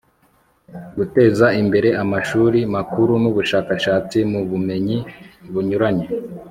guteza imbere amashuli makuru n'ubushakashatsi mu bumenyi bunyuranye